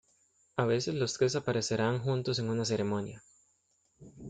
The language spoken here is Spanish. A veces los tres aparecerán juntos en una ceremonia.